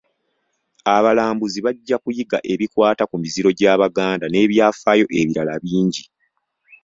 Abalambuzi bajja kuyiga ebikwata ku miziro gy’Abaganda n’ebyafaayo ebirala bingi.